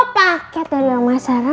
paket dari oma sarah